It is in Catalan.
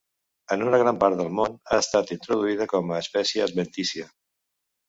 En una gran part del món ha estat introduïda com a espècie adventícia.